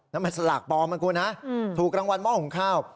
นั่นมันสลากปลอมนะคุณฮะถูกรางวัลหม้อหุงข้าว